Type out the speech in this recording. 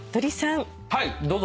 はいどうぞ！